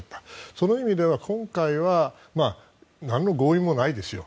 その意味では今回はなんの合意もないですよ。